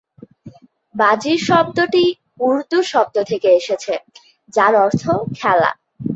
বাজি শব্দটি উর্দু শব্দ থেকে এসেছে যার অর্থ খেলা।